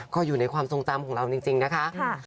ก็อยู่ในความทรงจำของเราจริงนะคะ